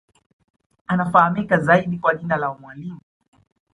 Anafahamika zaidi kwa jina la Mwalimu